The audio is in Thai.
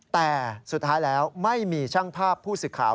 แต่สุดท้ายแล้วไม่มีช่างภาพผู้สื่อข่าว